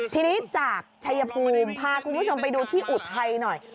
ทีนี้จากชัยภูมิพาคุณผู้ชมไปดูที่อุทัยหน่อย